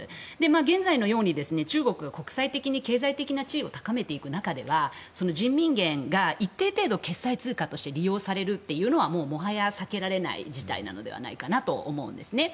現在のように中国が国際的に経済的な地位を高めていく中では人民元が一定程度、決済通貨として利用されるというのはもはや避けられない事態なのではないかなと思うんですね。